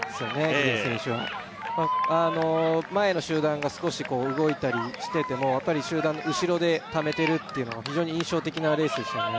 ギデイ選手はあの前の集団が少し動いたりしててもやっぱり集団の後ろでためてるっていうのが非常に印象的なレースでしたよね